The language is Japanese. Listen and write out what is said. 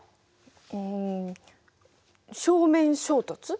うん正面衝突？